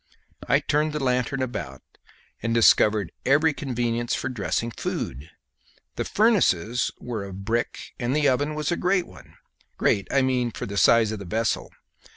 I turned the lanthorn about, and discovered every convenience for dressing food. The furnaces were of brick and the oven was a great one great, I mean, for the size of the vessel.